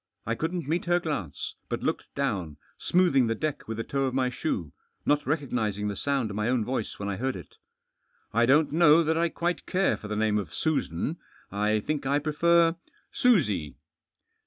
I couldn't meet her glance, but looked down, smoothing the deck with the toe of my shoe, not recognising the sound of my own voice when I heard it " 1 don't know that I quite care for the name of Susan. I think I prefer — Susie."